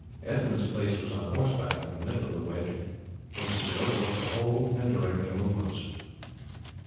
Edmund's place was on horseback in the middle of the wedge, whence he could overlook the whole and direct their movements.